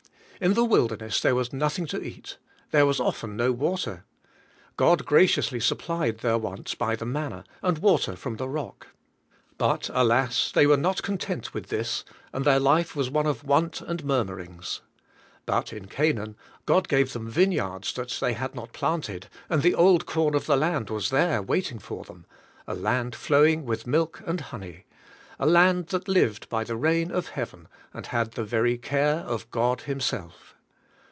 In the wilder ness there was nothing to eat; there was often no water. God graciously supplied their wants by ENTRANCE INTO REST 51 the manna, and the water from the rock. But, alas! they were not content with this, and their life was one of want and murmurincfs. But in Canaan God gave them vineyards that they had not planted, and the old corn of the land was there waiting for them ; aland flowing with milk and honey ; a land that lived by the rain of Heaven and had the very care of God Himself.